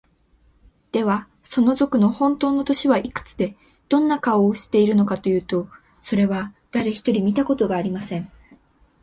では、その賊のほんとうの年はいくつで、どんな顔をしているのかというと、それは、だれひとり見たことがありません。